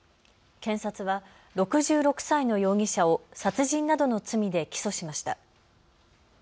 検察は６６歳の容疑者を殺人などの罪で起訴しました。